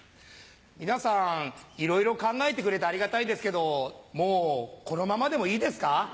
皆さんいろいろ考えてくれてありがたいですけどもうこのままでもいいですか？